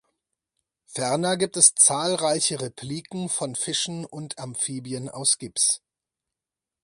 Ferner gibt es zahlreiche Repliken von Fischen und Amphibien aus Gips.